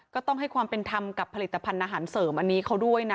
ก็ต้องให้ความเป็นธรรมกับผลิตภัณฑ์อาหารเสริมอันนี้เขาด้วยนะ